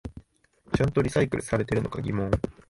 ちゃんとリサイクルされてるのか疑問